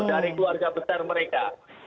dari keluarga besar mereka